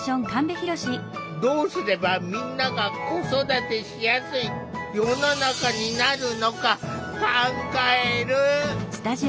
どうすればみんなが子育てしやすい世の中になるのか考える。